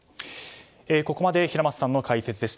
ここまで平松さんの解説でした。